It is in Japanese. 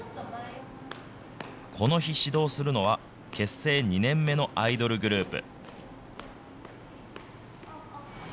この日、指導するのは、結成２年目のアイドルグループ。